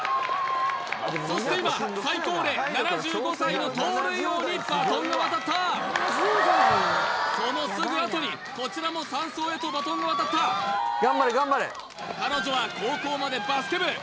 そして今最高齢７５歳の盗塁王にバトンが渡ったそのすぐあとにこちらも３走へとバトンが渡った彼女は高校までバスケ部